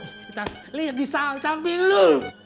kita liat disamping lu